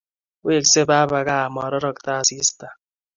Weksei papa kaa amarorokto asista.